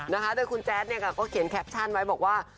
นะคะโดยคุณแจ๊ดเนี่ยค่ะก็เขียนแคปชั่นไว้บอกว่า